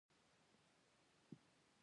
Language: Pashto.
محبت مې په خاموشه دعا کې ښخ شو.